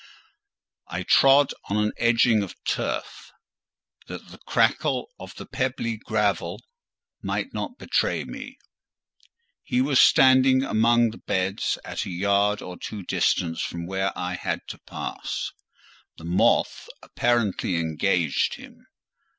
I trode on an edging of turf that the crackle of the pebbly gravel might not betray me: he was standing among the beds at a yard or two distant from where I had to pass; the moth apparently engaged him.